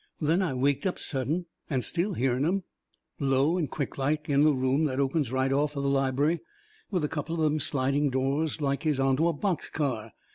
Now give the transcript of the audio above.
Then I waked up sudden, and still hearn 'em, low and quicklike, in the room that opens right off of the lib'ary with a couple of them sliding doors like is onto a box car.